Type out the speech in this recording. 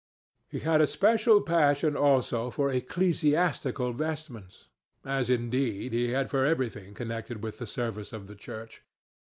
He had a special passion, also, for ecclesiastical vestments, as indeed he had for everything connected with the service of the Church.